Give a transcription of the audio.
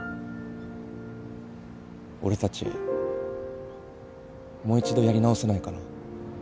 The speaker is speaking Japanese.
俺たちもう１度やり直せないかな？